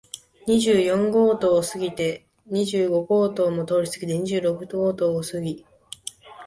二十四号棟を過ぎて、二十五号棟も通り過ぎて、二十六号棟を過ぎ、